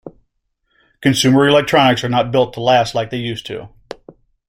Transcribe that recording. Consumer electronics are not built to last like they used to.